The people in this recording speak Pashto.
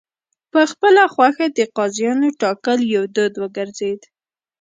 په خپله خوښه د قاضیانو ټاکل یو دود وګرځېد.